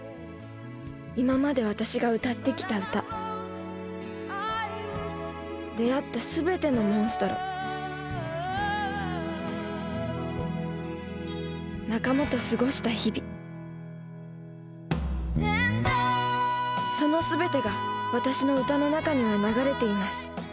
今まで私が歌ってきた歌出会ったすべてのモンストロ仲間と過ごした日々そのすべてが私の歌の中には流れています。